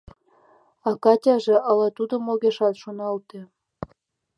А Катяже ала тудым огешат шоналте.